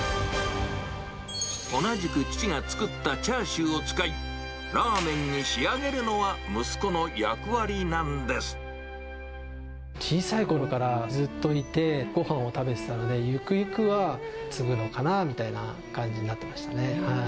同じく父が作ったチャーシューを使い、ラーメンに仕上げるのは、小さいころからずっといて、ごはんを食べてたので、ゆくゆくは継ぐのかなみたいな感じになってましたね。